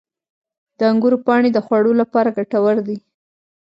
• د انګورو پاڼې د خوړو لپاره ګټور دي.